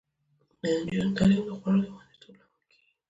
د نجونو تعلیم د خوړو د خوندیتوب لامل کیږي.